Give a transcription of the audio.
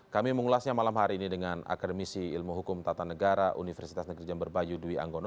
kami mengulasnya malam hari ini dengan akademisi ilmu hukum tata negara universitas negeri jember bayu dwi anggono